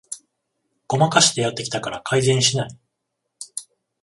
ごまかしてやってきたから改善しない